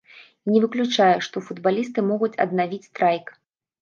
І не выключае, што футбалісты могуць аднавіць страйк.